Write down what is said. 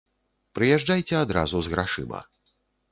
Прыязджайце адразу з грашыма.